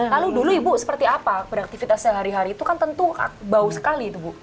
lalu dulu ibu seperti apa beraktivitasnya hari hari itu kan tentu bau sekali itu bu